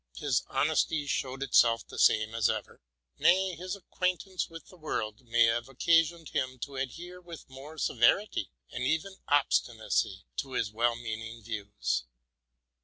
His honesty showed itself the same as ever; nay, his acquaintance with the world may have oc casioned him to adhere with more severity and even obstinacy to his well meaning views.